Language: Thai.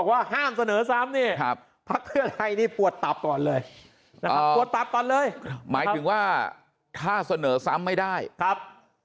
วัดปรับตอนเลยหมายถึงว่าถ้าเสนอซ้ำไม่ได้คราบ